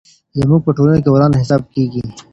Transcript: زموږ په ټولنه کي وران حساب کېږي.